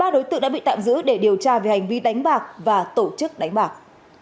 ba đối tượng đã bị tạm giữ để điều tra về hành vi đánh bạc và tổ chức đánh bạc